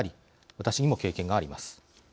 私にも経験があります。